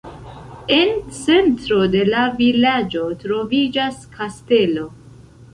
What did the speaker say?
En centro de la vilaĝo troviĝas kastelo.